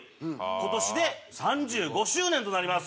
今年で３５周年となります。